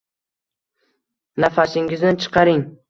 Nafasingizni chiqaring.